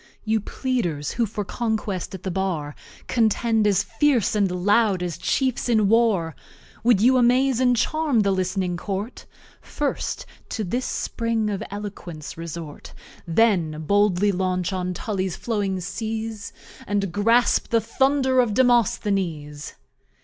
You Pleaders, who for Conquest at the Bar Contend as Fierce and Loud as Chiefs in War; Would you Amaze and Charm the list'ning Court? First to this Spring of Eloquence resort: Then boldly launch on Tully's flowing Seas, And grasp the Thunder of Demosthenes.